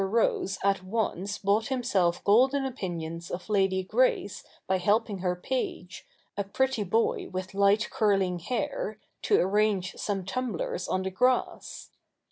Rose at once bought himself golden opinions of Lady Grace by helping her page, a pretty boy with light curling hair, to arrange some tumblers on the grass.